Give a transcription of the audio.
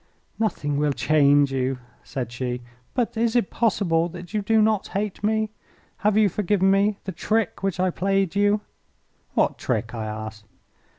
"Nothing will change you," said she. "But is it possible that you do not hate me? Have you forgiven me the trick which I played you?" "What trick?" I asked.